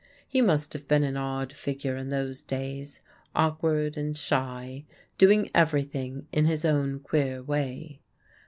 He must have been an odd figure in those days, awkward and shy, doing everything in his own queer way.